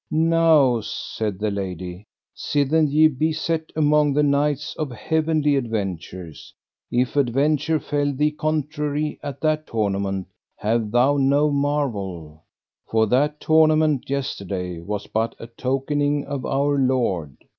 Now, said the lady, sithen ye be set among the knights of heavenly adventures, if adventure fell thee contrary at that tournament have thou no marvel, for that tournament yesterday was but a tokening of Our Lord.